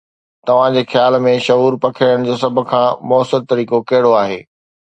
توهان جي خيال ۾ شعور پکيڙڻ جو سڀ کان مؤثر طريقو ڪهڙو آهي؟